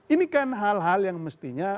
ini kan hal hal yang mestinya